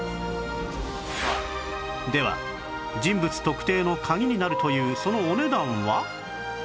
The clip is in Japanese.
では人物特定の鍵になるというそのお値段は？